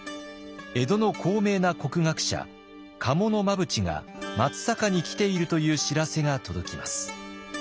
江戸の高名な国学者賀茂真淵が松坂に来ているという知らせが届きます。